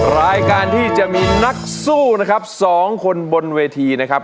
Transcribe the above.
รายการที่จะมีนักสู้นะครับสองคนบนเวทีนะครับ